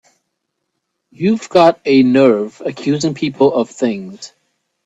You've got a nerve accusing people of things!